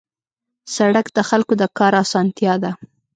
سړک د خلکو د کار اسانتیا ده.